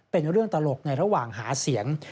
เป็นเรื่องตลกในระหว่างหาเสียง